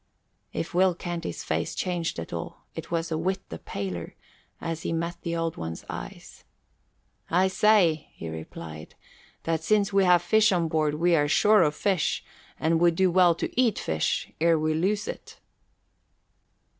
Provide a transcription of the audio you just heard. If Will Canty's face changed at all, it was a whit the paler as he met the Old One's eyes. "I say," he replied, "that since we have fish on board, we are sure of fish and would do well to eat fish ere we lose it."